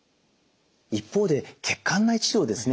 一方で血管内治療ですね。